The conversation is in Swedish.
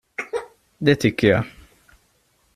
Det tycker jag.